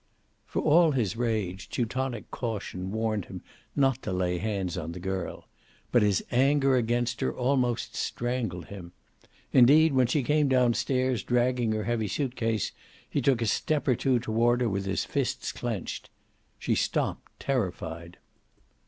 For all his rage, Teutonic caution warned him not to lay hands on the girl. But his anger against her almost strangled him. Indeed, when she came down stairs, dragging her heavy suitcase, he took a step or two toward her, with his fists clenched. She stopped, terrified.